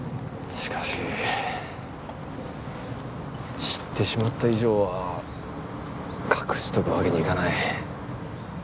しかし知ってしまった以上は隠しておくわけにいかない。